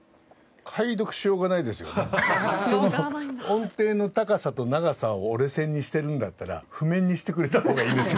音程の高さと長さを折れ線にしてるんだったら譜面にしてくれた方がいいです